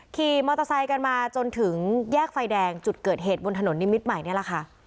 ขี่มอเตอร์ไซค์กันมาจนถึงแยกไฟแดงจุดเกิดเหตุบนถนนนิมิตรใหม่นี่แหละค่ะ